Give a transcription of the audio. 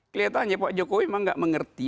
kelihatannya pak jokowi memang nggak mengerti